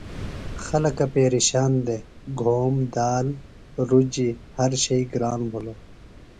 خلکہ پیرِشان دےۡ۔ گھوم دال رُجیۡ ہر شئی گران بِھلوۡ۔